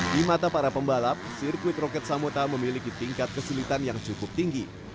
di mata para pembalap sirkuit roket samuta memiliki tingkat kesulitan yang cukup tinggi